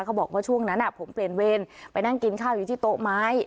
บอกว่าช่วงนั้นผมเปลี่ยนเวรไปนั่งกินข้าวอยู่ที่โต๊ะไม้